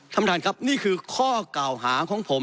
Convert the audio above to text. ท่านประธานครับนี่คือข้อกล่าวหาของผม